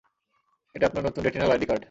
এটা আপনার নতুন রেটিনাল আই, ডি কার্ড।